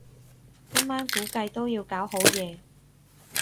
今晚估計都要搞好夜